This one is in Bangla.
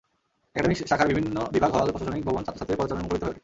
একাডেমিক শাখার বিভিন্ন বিভাগ, হল, প্রশাসনিক ভবন ছাত্রছাত্রীদের পদচারণে মুখরিত হয়ে ওঠে।